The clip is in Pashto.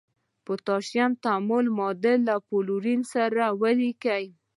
د پوتاشیم تعامل معادله له فلورین سره ولیکئ.